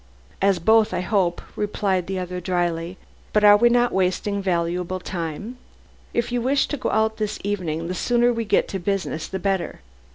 "As both, I hope," replied the other dryly, "but are we not wasting valuable time? If you wish to go out this evening, the sooner we get to business the better.